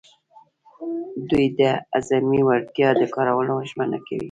دوی د اعظمي وړتیا د کارولو ژمنه کوي.